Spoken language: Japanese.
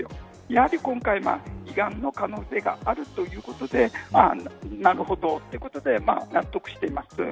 やはり、今回胃がんの可能性があるということでなるほどということで納得しています。